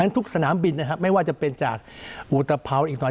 ทุกสนามบินนะครับไม่ว่าจะเป็นจากอุตภัวอีกตอน